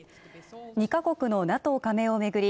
２カ国のＮＡＴＯ加盟を巡り